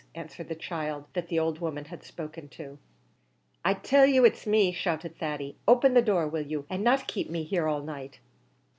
answered the child that the old woman had spoken to. "I tell you it is me," shouted Thady. "Open the door, will you! and not keep me here all night!"